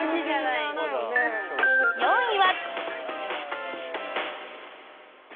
４位は。